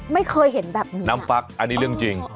ไม่เคยเห็นแบบนี้น้ำฟักอันนี้เรื่องจริง